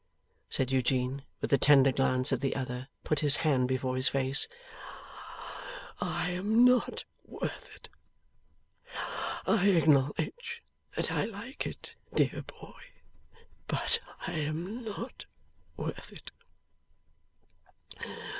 'Tut, tut!' said Eugene with a tender glance as the other put his hand before his face. 'I am not worth it. I acknowledge that I like it, dear boy, but I am not worth it.